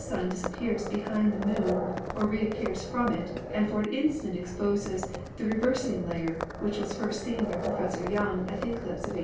Sun disappears behind the Moon or reappears from it and for an instant exposes the revers ing layer, which was first seen by Professor Young at the eclipse of 1870.